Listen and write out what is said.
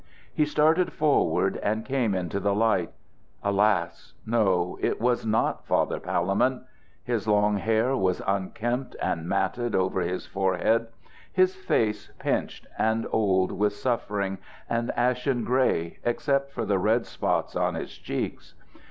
He started forward and came into the light. Alas! No; it was not Father Palemon. His long hair was unkempt and matted over his forehead, his face pinched and old with suffering, and ashen gray except for the red spots on his cheeks.